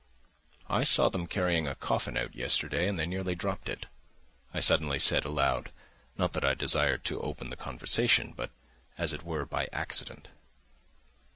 "I saw them carrying a coffin out yesterday and they nearly dropped it," I suddenly said aloud, not that I desired to open the conversation, but as it were by accident.